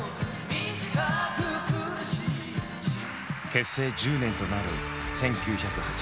結成１０年となる１９８１年。